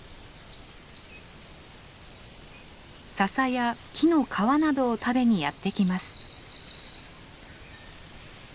ササや木の皮などを食べにやって来ます。